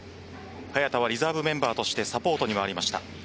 早田はリザーブメンバーとしてサポートに回りました。